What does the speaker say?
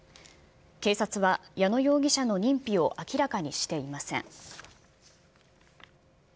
警察は矢野容疑者の認否を明らかにしていません。